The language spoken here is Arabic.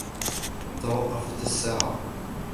توقفت الساعة.